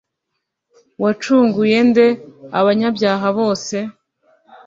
wacunguye nde abanyabyaha bose?